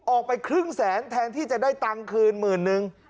ออกไปครึ่งแสนแทนที่จะได้ตังค์คืนหมื่นนึง